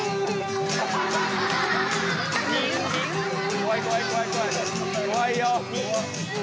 怖い怖い怖い怖い怖いよ。